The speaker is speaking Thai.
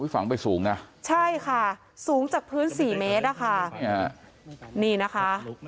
ฝังไปสูงนะใช่ค่ะสูงจากพื้นสี่เมตรอะค่ะนี่นะคะ